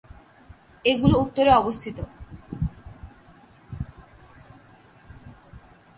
এগুলি উত্তরে অবস্থিত।